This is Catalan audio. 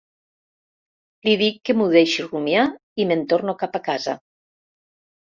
Li dic que m'ho deixi rumiar i me'n torno cap a casa.